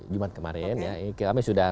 jumat kemarin ya ini kami sudah